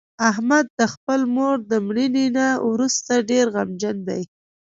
احمد د خپلې مور د مړینې نه ورسته ډېر غمجن دی.